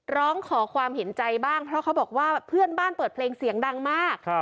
ร้องขอความเห็นใจบ้างเพราะเขาบอกว่าเพื่อนบ้านเปิดเพลงเสียงดังมาก